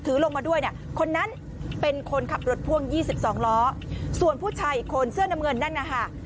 ลงมาด้วยเนี่ยคนนั้นเป็นคนขับรถพ่วง๒๒ล้อส่วนผู้ชายอีกคนเสื้อน้ำเงินนั่นนะคะ